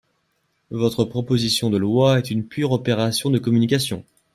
Votre proposition de loi est une pure opération de communication.